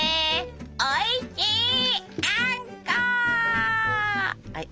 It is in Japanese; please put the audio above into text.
おいしいあんこ！